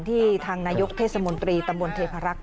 ทางนายกเทศมนตรีตำบลเทพรักษ์